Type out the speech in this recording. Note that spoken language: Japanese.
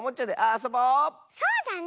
そうだね。